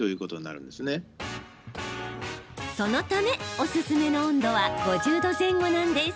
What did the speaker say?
そのため、おすすめの温度は５０度前後なんです。